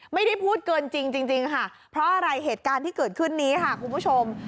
ไม่ได้พูดเกินจริงค่ะเพราะอะไรเหตุการณ์ที่เกิดขึ้นนี้ค่ะคุณผู้ชม